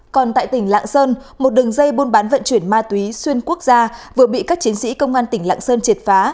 còn tại tỉnh lạng sơn một đường dây buôn bán vận chuyển ma túy xuyên quốc gia vừa bị các chiến sĩ công an tỉnh lạng sơn triệt phá